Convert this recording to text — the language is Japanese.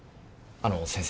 あの先生